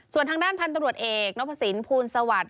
ส่วนทางด้านพันธุ์ตำรวจเอกนพสินภูลสวัสดิ